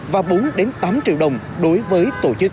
và bốn tám triệu đồng đối với tổ chức